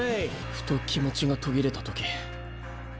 ふと気持ちが途切れた時。